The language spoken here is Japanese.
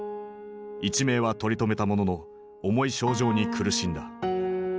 一命は取り留めたものの重い症状に苦しんだ。